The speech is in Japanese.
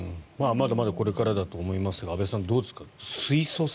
まだまだこれからだと思いますが安部さん、どうですか？